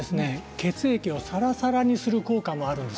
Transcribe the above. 血液を、さらさらにする効果もあるんです。